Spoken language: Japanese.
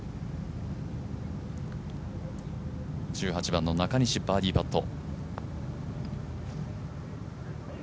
１８番の中西バーディーパット。